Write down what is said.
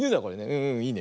うんうんいいね。